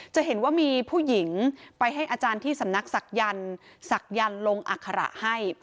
จะเห็นว่ามีผู้หญิงไปให้อาจารย์ที่สำนักศักยันต์ศักยันต์ลงอัคระให้